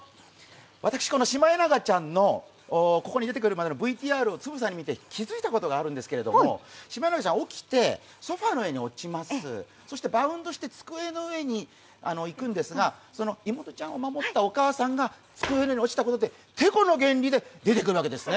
私シマエナガちゃんのここに車でのＶＴＲを見ててつぶさに見て気付いたことがあるんですけれども、シマエナガちゃん起きてソファーの上に落ちますそしてバウンドして机の上に行くんですが守ったお母さんが机の上に落ちたことでてこの原理で出てくるわけですね。